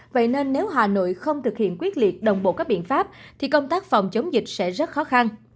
vậy nên nếu hà nội không thực hiện quyết liệt đồng bộ các biện pháp thì công tác phòng chống dịch sẽ rất khó khăn